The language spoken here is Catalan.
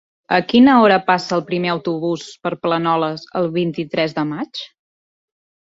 A quina hora passa el primer autobús per Planoles el vint-i-tres de maig?